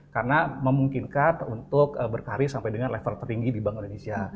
karena memungkinkan untuk berkarir sampai dengan level tertinggi di bank indonesia